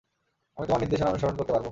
আমি তোমার নির্দেশনা অনুসরণ করতে পারবো।